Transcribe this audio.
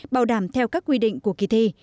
bảo đảm theo các quy định của kỳ thi